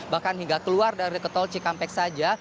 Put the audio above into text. bahkan hingga keluar dari tol cikampek saja